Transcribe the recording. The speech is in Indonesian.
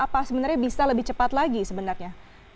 apa sebenarnya bisa lebih cepat lagi sebenarnya